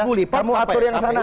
kamu atur yang kesana